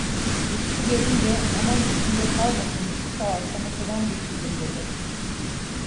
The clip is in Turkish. Yusuf'u görünce: "Aman üstümde kalmasın, Yusuf Ağa, sana selam getirdim!" dedi.